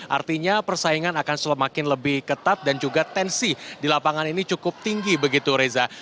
artinya persaingan akan semakin lebih ketat dan juga tensi di lapangan ini cukup tinggi begitu reza